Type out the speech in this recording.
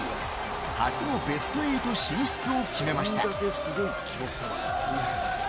初のベスト８進出を決めました。